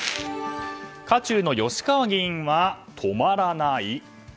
渦中の吉川議員は止まらない？